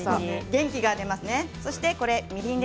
元気が出ますね、みりん。